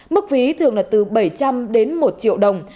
mức phí thường là từ bảy trăm linh đến một triệu đồng